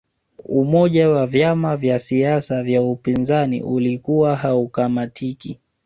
umoja wa vyama vya siasa vya upinzani ulikuwa haukamatiki